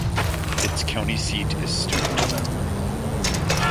Its county seat is Stuart.